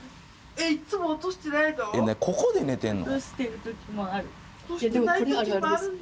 ここで寝てるの？